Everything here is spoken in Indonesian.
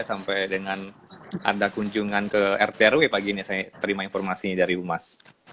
sampai dengan anda kunjungan ke rt rw pagi ini saya terima informasinya dari umas